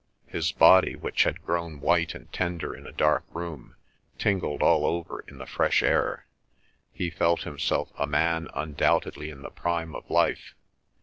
His body, which had grown white and tender in a dark room, tingled all over in the fresh air. He felt himself a man undoubtedly in the prime of life.